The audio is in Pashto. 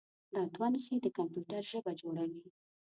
دا دوه نښې د کمپیوټر ژبه جوړوي.